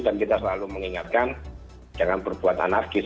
kita selalu mengingatkan jangan berbuat anarkis